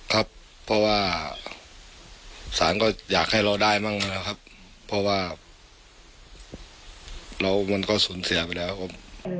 ครับเพราะว่าศาลก็อยากให้เราได้บ้างนะครับเพราะว่าเรามันก็สูญเสียไปแล้วครับ